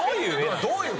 どういう。